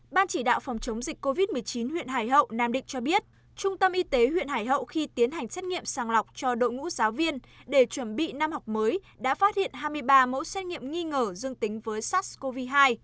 ban chỉ đạo phòng chống dịch covid một mươi chín huyện hải hậu nam định cho biết trung tâm y tế huyện hải hậu khi tiến hành xét nghiệm sàng lọc cho đội ngũ giáo viên để chuẩn bị năm học mới đã phát hiện hai mươi ba mẫu xét nghiệm nghi ngờ dương tính với sars cov hai